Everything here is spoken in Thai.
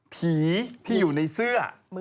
ผีที่อยู่ในเสื้อ